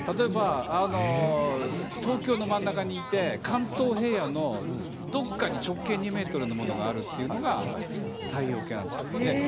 東京の真ん中にいて関東平野のどこかに直径２ｍのものがあるというのが太陽系なんです。